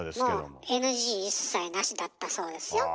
もうＮＧ一切なしだったそうですよ。